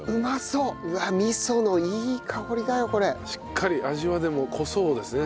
しっかり味はでも濃そうですね。